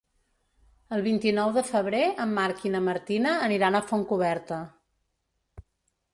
El vint-i-nou de febrer en Marc i na Martina aniran a Fontcoberta.